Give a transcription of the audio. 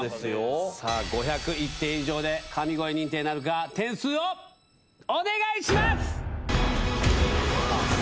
さあ、５０１点以上で神声認定なるか、点数をお願いします。